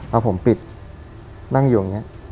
เอาผมปิดนั่งอยู่อย่างนี้